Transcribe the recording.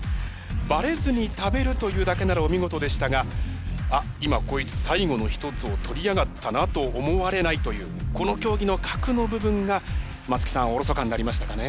ばれずに食べるというだけならお見事でしたがあっ今こいつ最後の一つを取りやがったなと思われないというこの競技の核の部分が松木さんおろそかになりましたかね。